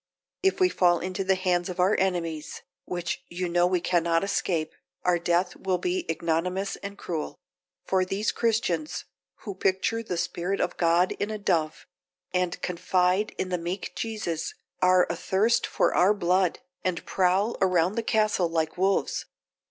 If we fall into the hands of our enemies, which you know we cannot escape, our death will be ignominious and cruel; for these Christians, who picture the Spirit of God in a dove, and confide in the meek Jesus, are athirst for our blood, and prowl around the castle like wolves.